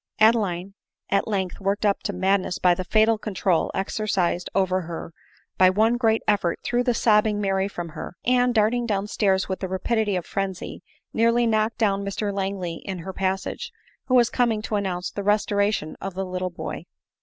Adeline, at length worked up to madness by the fatal control exercised over her, by one great effort threw the sobbing Mary from her, ana, darting down stairs with the rapidity of frenzy, nearly knocked down Mr Langley in her passage, who was coming to announce the restoration of the little boy.